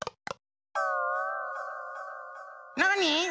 なに？